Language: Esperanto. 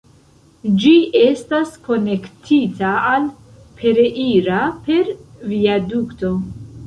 Ĝi estas konektita al "Pereira" per viadukto.